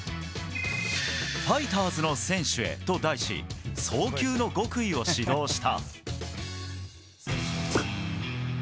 「ファイターズの選手へ」と題し送球の極意を指導した。